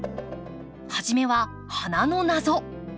初めは花の謎。